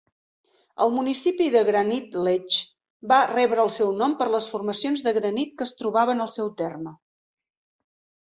El municipi de Granite Ledge va rebre el seu nom per les formacions de granit que es trobaven al seu terme.